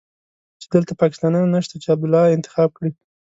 چې دلته پاکستانيان نشته چې عبدالله انتخاب کړي.